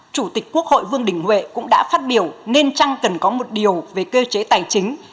chủ tịch quốc hội vương đình huệ cũng đã phát biểu nên chăng cần có một điều về cơ chế tài chính